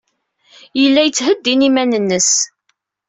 Yella yettheddin iman-nnes.